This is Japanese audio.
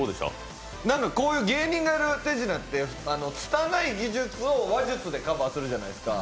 こういう芸人がやる手品って、つたない技術を話術でカバーするじゃないですか。